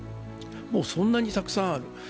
そんなにたくさんある。